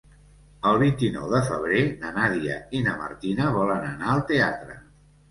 El vint-i-nou de febrer na Nàdia i na Martina volen anar al teatre.